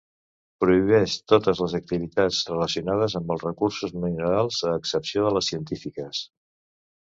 Prohibeix totes les activitats relacionades amb els recursos minerals, a excepció de les científiques.